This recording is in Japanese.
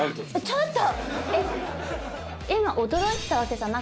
ちょっと⁉